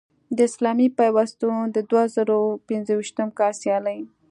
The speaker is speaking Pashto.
د اسلامي پیوستون د دوه زره پنځویشتم کال سیالۍ